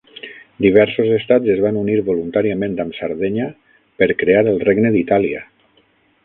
Diversos estats es van unir voluntàriament amb Sardenya per crear el regne d'Itàlia.